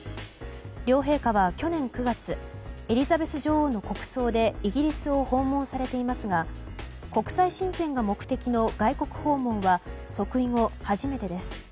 両陛下は去年９月エリザベス女王の国葬でイギリスを訪問されていますが国際親善が目的の外国訪問は即位後初めてです。